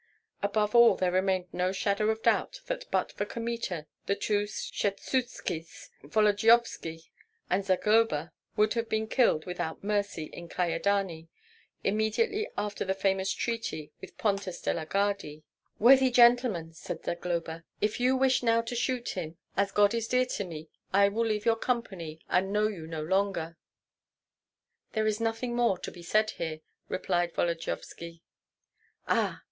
Above all there remained no shadow of doubt that but for Kmita the two Skshetuskis, Volodyovski, and Zagloba would have been killed without mercy in Kyedani, immediately after the famous treaty with Pontus de la Gardie. "Worthy gentlemen," said Zagloba, "if you wish now to shoot him, as God is dear to me, I will leave your company and know you no longer." "There is nothing more to be said here!" replied Volodyovski. "Ah!"